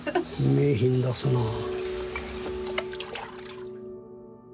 名品ですなあ。